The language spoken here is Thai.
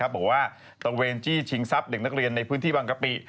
บอกว่าตะเวนจี้ชิงทรัพย์เด็กนักเรียนในพื้นที่บางกะปิ